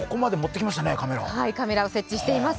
カメラを設置しています。